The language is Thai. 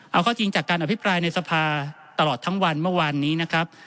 เอาข้อจริงจากการอภิปรายในสภาตลอดทั้งวันเมื่อวานนี้นะครับ